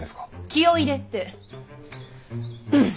気を入れて。